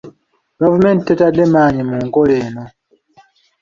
Gavumenti tetadde maanyi mu nkola eno.